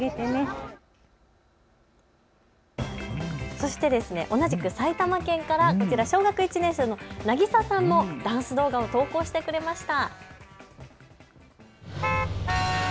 そして同じく埼玉県から小学１年生のなぎささんもダンス動画を投稿してくれました。